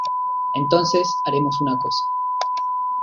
entonces, haremos una cosa.